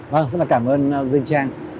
vâng rất là cảm ơn dương trang